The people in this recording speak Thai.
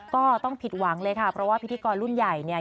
ก็ต้องผิดหวังเลยค่ะเพราะว่าพิธีกรรุ่นใหญ่เนี่ย